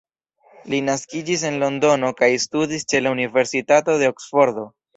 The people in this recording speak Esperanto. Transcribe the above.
Li naskiĝis en Londono kaj studis ĉe la Universitato de Oksfordo.